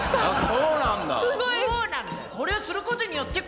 そうなんだ。